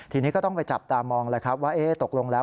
ทีนี้ก็ต้องไปจับตามองว่าตกลงแล้ว